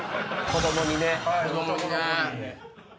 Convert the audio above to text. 子供にな。